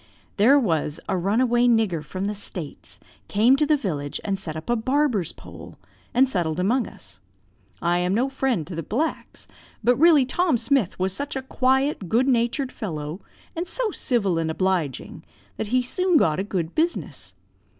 "There was runaway nigger from the States came to the village, and set up a barber's poll, and settled among us. I am no friend to the blacks; but really Tom Smith was such a quiet, good natured fellow, and so civil and obliging, that he soon got a good business.